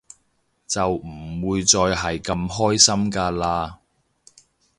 就唔會再係咁開心㗎喇